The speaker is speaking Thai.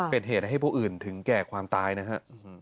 เป็นเหตุให้ผู้อื่นถึงแก่ความตายนะฮะ